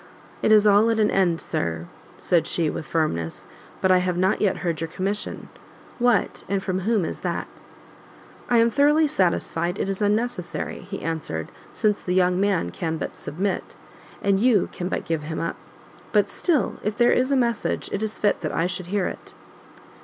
"It is all at an end, Sir;" said she, with firmness; "but I have not yet heard your commission; what, and from whom is that?" "I am thoroughly satisfied it is unnecessary;" he answered, "since the young man can but submit, and you can but give him up." "But still, if there is a message, it is fit I should hear it."